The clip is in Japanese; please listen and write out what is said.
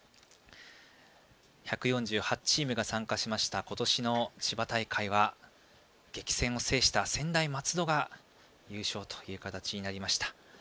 １４８チームが参加しました今年の千葉大会は激戦を制した専大松戸が優勝という形になりました。